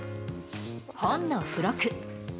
本の付録。